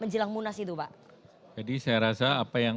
jadi saya rasa apa yang